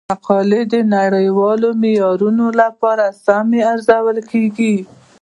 مقالې د نړیوالو معیارونو سره سمې ارزول کیږي.